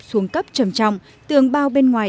xuống cấp trầm trọng tường bao bên ngoài